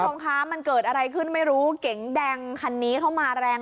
คุณผู้ชมคะมันเกิดอะไรขึ้นไม่รู้เก๋งแดงคันนี้เข้ามาแรง